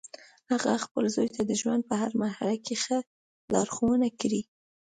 هغې خپل زوی ته د ژوند په هر مرحله کې ښه لارښوونه کړی